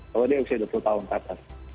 kalau dia usia dua puluh tahun kata